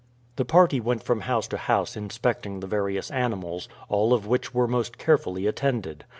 The party went from house to house inspecting the various animals, all of which were most carefully attended.